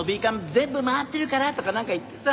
全部回ってるからとかなんか言ってさ。